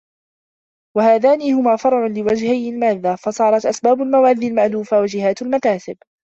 وَهَذَانِ هُمَا فَرْعٌ لِوَجْهَيْ الْمَادَّةِ ، فَصَارَتْ أَسْبَابُ الْمَوَادِّ الْمَأْلُوفَةِ ، وَجِهَاتُ الْمَكَاسِبِ